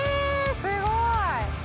すごーい！